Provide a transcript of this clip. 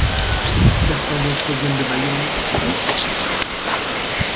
Certains d'entre eux viennent de Bayonne et Bordeaux.